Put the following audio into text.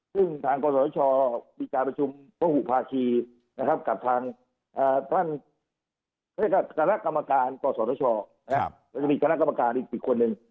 ซึ่งทางกศมีการประชุมเมาหุภาคีกับทางกศมีการกรรมการอีก๑๐คนหนึ่ง